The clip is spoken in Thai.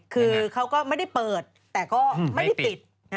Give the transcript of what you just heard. คือเขาก็ไม่ได้เปิดแต่ก็ไม่ได้ปิด